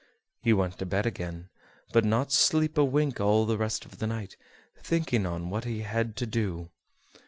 He went to bed again, but did not sleep a wink all the rest of the night, thinking on what he had to do.